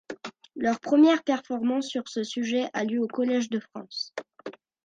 Leur première performance sur ce sujet a lieu au Collège de France.